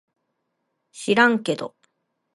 しらんけど